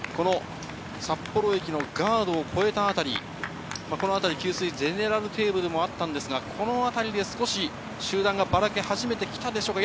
札幌駅のガードを越えたあたり、このあたり給水、ゼネラルテーブルもあったんですが、このあたりで集団がばらけ始めてきたでしょうか。